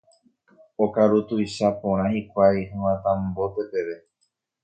okaru tuicha porã hikuái hyvatãmbóte peve